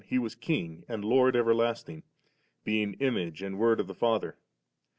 He was King and Lord everlasting, being Image and Word of the Father.